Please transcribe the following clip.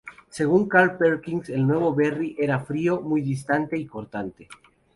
Según Carl Perkins, el nuevo Berry era "frío, muy distante y cortante".